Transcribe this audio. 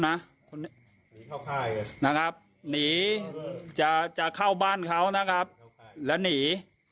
หนีเข้าค่ายนะครับหนีจะจะเข้าบ้านเขานะครับแล้วหนี